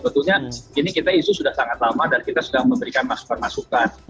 sebetulnya ini kita isu sudah sangat lama dan kita sudah memberikan masukan masukan